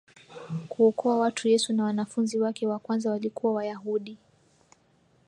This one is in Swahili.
kuokoa watu Yesu na wanafunzi wake wa kwanza walikuwa Wayahudi